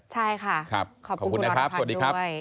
ใช่ค่ะขอบคุณคุณอรพันธ์ด้วย